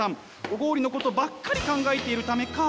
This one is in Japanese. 小郡のことばっかり考えているためか